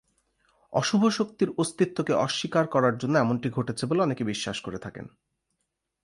অশুভ শক্তির অস্তিত্বকে অস্বীকার করার জন্য এমনটি ঘটেছে বলে অনেকে বিশ্বাস করে থাকেন।